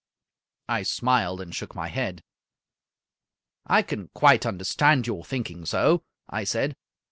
I smiled and shook my head. " I can quite understand your thinking so," I said.